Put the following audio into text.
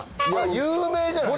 有名じゃない？